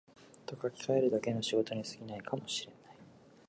と書きかえるだけの仕事に過ぎないかも知れない